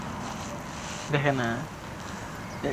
এই বলিয়া রাজা নক্ষত্ররায়ের হাতে তরবারি দিলেন।